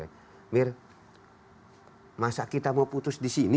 mir masa kita mau putus di sini